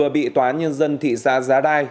bán nhân dân thị xã giá đai